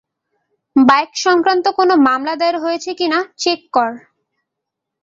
Bike সংক্রান্ত কোন মামলা, দায়ের হয়েছে কিনা চেক কর।